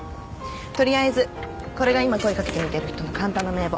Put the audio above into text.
とりあえずこれが今声かけてみてる人の簡単な名簿。